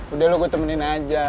udah lu gue temenin aja